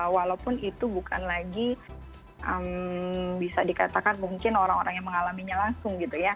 walaupun itu bukan lagi bisa dikatakan mungkin orang orang yang mengalaminya langsung gitu ya